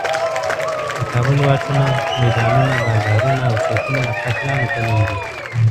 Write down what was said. د کابل واټونه، میدانونه، بازارونه او چوکونه د قاتلانو په نوم دي.